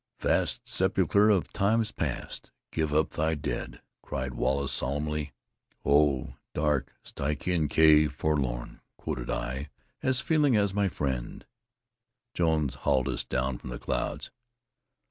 "Vast sepulcher of Time's past, give up thy dead!" cried Wallace, solemnly. "Oh! dark Stygian cave forlorn!" quoted I, as feelingly as my friend. Jones hauled us down from the clouds.